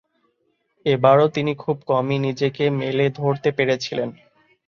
এবারও তিনি খুব কমই নিজেকে মেলে ধরতে পেরেছিলেন।